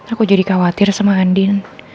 aku jadi khawatir sama andin